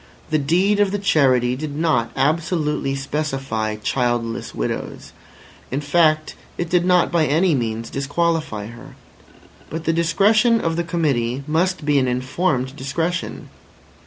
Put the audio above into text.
The deed of the Charity did not absolutely specify "childless widows." In fact, it did not by any means disqualify her. But the discretion of the Committee must be an informed discretion.